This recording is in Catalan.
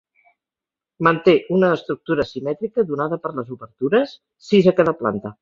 Manté una estructura simètrica donada per les obertures, sis a cada planta.